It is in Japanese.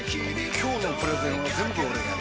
今日のプレゼンは全部俺がやる！